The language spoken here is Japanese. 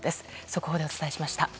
速報でお伝えしました。